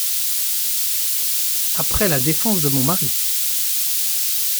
Après la défense de mon mari !…